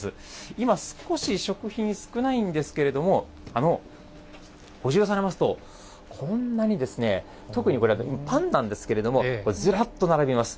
今、少し食品少ないんですけれども、補充されますと、こんなにですね、特にこれ、パンなんですけれども、これ、ずらっと並びます。